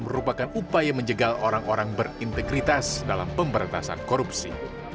merupakan upaya menjegal orang orang berintegritas dalam pemberantasan korupsi